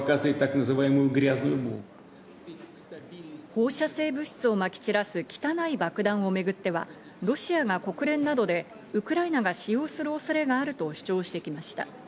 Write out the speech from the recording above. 放射性物質をまき散らす「汚い爆弾」をめぐっては、ロシアが国連などでウクライナが使用する恐れがあると主張してきました。